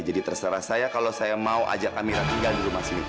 jadi terserah saya kalau saya mau ajak amira tinggal di rumah sini